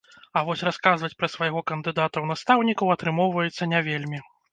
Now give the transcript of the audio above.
А вось расказваць пра свайго кандыдата ў настаўнікаў атрымоўваецца не вельмі.